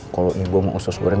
kalau ini bu mau usus goreng